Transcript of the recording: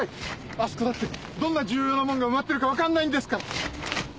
あそこだってどんな重要なものが埋まってるかわかんないんですから！